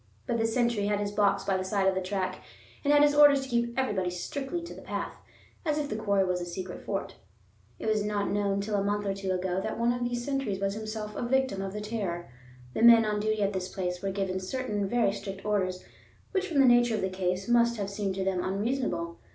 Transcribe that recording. But the sentry had his box by the side of the track and had his orders to keep everybody strictly to the path, as if the quarry were a secret fort. It was not known till a month or two ago that one of these sentries was himself a victim of the terror. The men on duty at this place were given certain very strict orders, which from the nature of the case, must have seemed to them unreasonable.